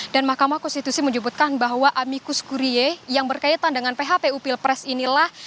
dan mahkamah konstitusi menyebutkan bahwa amikus kurie yang berkaitan dengan phpu pilpres inilah